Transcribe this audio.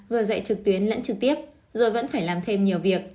vừa dạy trực tuyến lẫn trực tiếp rồi vẫn phải làm thêm nhiều việc